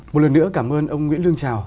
một lần nữa cảm ơn ông nguyễn lương trào